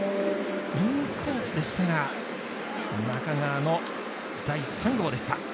インコースでしたが中川の第３号でした。